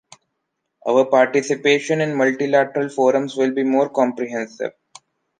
Our participation in multilateral forums will be more comprehensive.